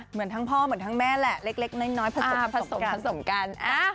เหมือนทั้งพ่อเหมือนทั้งแม่แหละเล็กน้อยผสมผสมผสมกัน